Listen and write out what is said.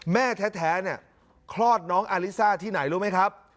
แม่แท้เนี่ยคลอดน้องอาลิซ่าที่ไหนรู้ไหมครับ